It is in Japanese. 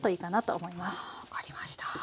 は分かりました。